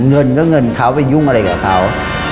เงินก็เงินเขาไปยุ่งอะไรกับเขา